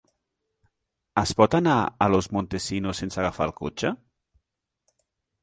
Es pot anar a Los Montesinos sense agafar el cotxe?